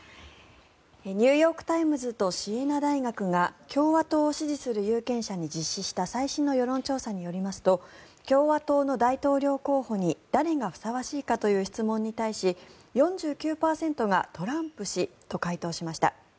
ニューヨーク・タイムズとシエナ大学が共和党を支持する有権者に実施した最新の世論調査によりますと共和党の大統領候補に誰がふさわしいかという質問に対し４９％がトランプ氏と回答しました。